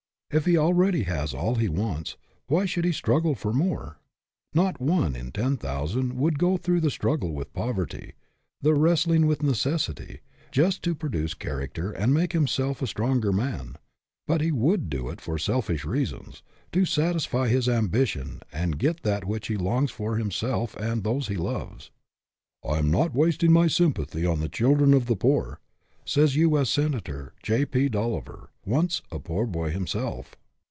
If he already has all he wants, why should he struggle for more? Not one in ten thousand would go through the struggle with poverty the wrestling with necessity just to produce character and make himself a stronger man, but he would do it for selfish reasons to satisfy his ambition and get that which he longs for for himself and those he loves. " I'm not wasting my sympathy on the chil dren of the poor," says U. S. Senator J. P. Dolliver, once a poor boy himself.